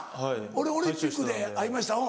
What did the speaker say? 俺オリンピックで会いましたうん。